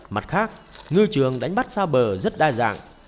mặt khác ngư trường đánh bắt xa bờ rất đa dạng